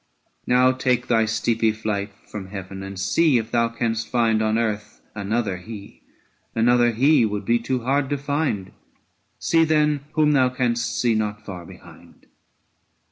Now take thy steepy flight from heaven, and see 860 If thou canst find on earth another he : Another he would be too hard to find; See then whom thou canst see not far behind.